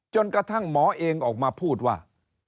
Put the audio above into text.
จนกระทั่งหมอเองออกมาพูดว่า